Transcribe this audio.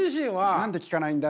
何で聞かないんだ？